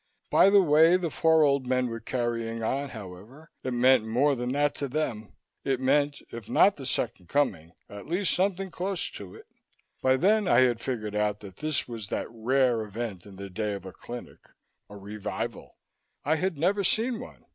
By the way the four old men were carrying on, however, it meant more than that to them. It meant, if not the Second Coming, at least something close to it. By then I had figured out that this was that rare event in the day of a clinic a revival. I had never seen one.